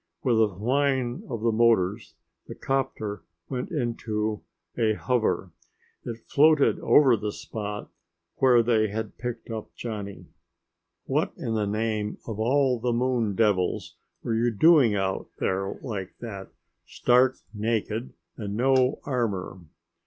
With a whine of the motors the 'copter went into a hover. It floated over the spot where they had picked up Johnny. "What in the name of all the moon devils were you doing out there like that stark naked and no armor?"